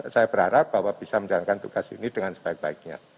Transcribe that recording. saya berharap bahwa bisa menjalankan tugas ini dengan sebaik baiknya